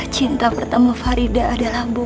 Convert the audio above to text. cinta pertama farida adalah bu